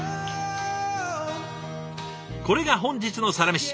これが本日のサラメシ！